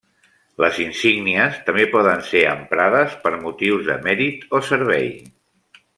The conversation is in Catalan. Les insígnies també poden ser emprades per motius de mèrit o servei.